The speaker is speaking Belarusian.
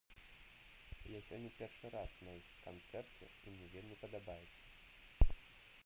Я сёння першы раз на іх канцэрце і мне вельмі падабаецца.